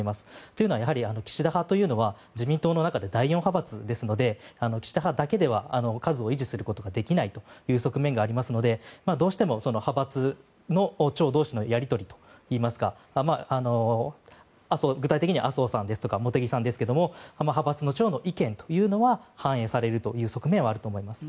というのは岸田派というのは自民党の中で第４派閥ですので岸田派だけでは数を維持することができないという側面がありますのでどうしても派閥の長同士のやり取りといいますか具体的には麻生さんとか茂木さんですけども派閥の長の意見というのは反映されるという側面はあると思います。